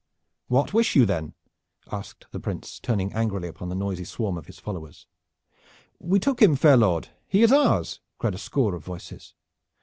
"What wish you then?" asked the Prince, turning angrily upon the noisy swarm of his followers. "We took him, fair lord. He is ours!" cried a score of voices.